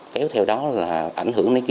kéo theo đó là ảnh hưởng đến